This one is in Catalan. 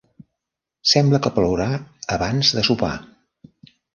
Sembla que plourà abans de sopar.